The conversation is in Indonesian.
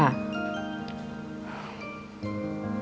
posisi aku serba salah ma